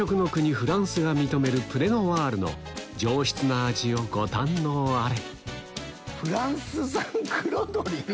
フランスが認めるプレノワールの上質な味をご堪能あれ